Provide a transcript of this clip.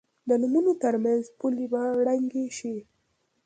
د نومونو تر منځ پولې به ړنګې شي.